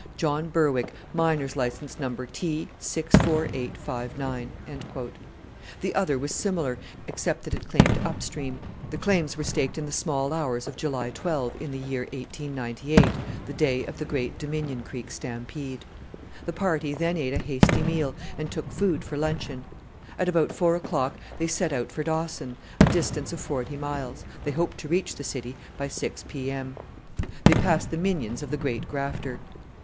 John Berwick, Miner's License No. T. 64859." The other was similar, except that it claimed up stream. The claims were staked in the small hours of July 12 in the year 1898 the day of the great Dominion Creek stampede. The party then ate a hasty meal, and took food for luncheon. At about four o'clock they set out for Dawson, a distance of forty miles. They hoped to reach the city by 6 p.m. They passed the minions of the great grafter.